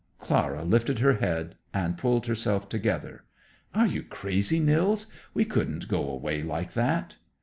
Clara lifted her head and pulled herself together. "Are you crazy, Nils? We couldn't go away like that."